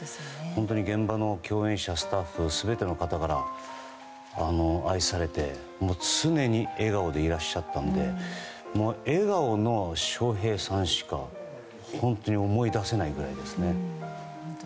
現場の共演者、スタッフ全ての方から愛されて常に笑顔でいらっしゃったのでもう、笑顔の笑瓶さんしか本当に思い出せないぐらいです。